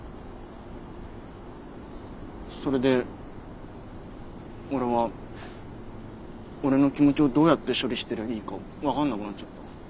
それで俺は俺の気持ちをどうやって処理したらいいか分かんなくなっちゃった。